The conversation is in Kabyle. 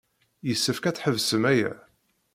Yessefk ad tḥebsem aya.